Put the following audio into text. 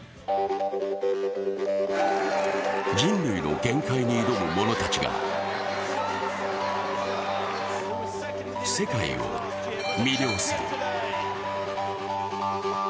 人類の限界に挑む者たちが世界を魅了する。